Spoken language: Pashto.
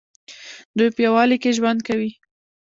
دوی په یووالي کې ژوند کوي.